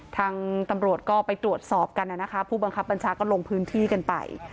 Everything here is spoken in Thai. ทางตำรวจก็ไปตรวจสอบกันนะคะผู้บังคับบัญชาก็ลงพื้นที่กันไป